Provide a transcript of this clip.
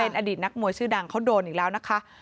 อดีตนักมวยชื่อดังเขาโดนอีกแล้วนะคะ